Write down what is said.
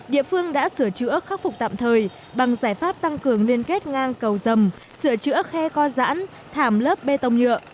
địa phương đã sửa chữa khắc phục tạm thời bằng giải pháp tăng cường liên kết ngang cầu dầm sửa chữa khe co giãn thảm lớp bê tông nhựa